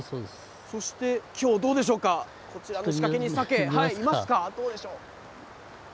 そしてきょう、どうでしょうか、こちらの仕掛けにサケ、いますか。